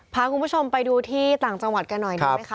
พาคุณผู้ชมไปดูที่ต่างจังหวัดกันหน่อยดีไหมคะ